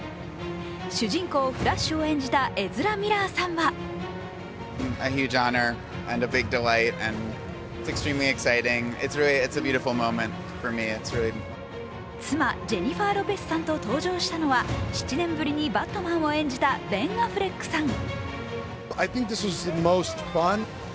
主人公・フラッシュを演じたエズラ・ミラーさんは妻、ジェニファー・ロペスさんと登場したのは７年ぶりにバットマンを演じたベン・アフレックさん。